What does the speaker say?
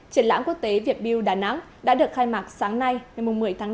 triển lãm quốc tế việt build đà nẵng đã được khai mạc sáng nay ngày một mươi tháng năm